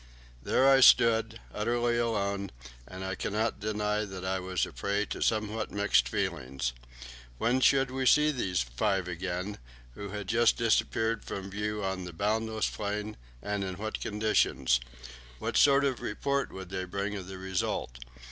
There I stood, utterly alone, and I cannot deny that I was a prey to somewhat mixed feelings. When should we see those five again, who had just disappeared from view on the boundless plain, and in what conditions? What sort of a report would they bring of the result?